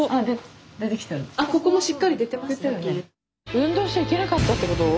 運動しちゃいけなかったってこと？